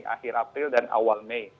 akhir april dan awal mei